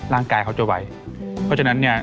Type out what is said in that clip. ร่างกายเขาจะไหวเพราะฉะนั้นเนี่ย